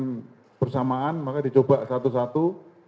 dan bersamaan maka dicoba satu satu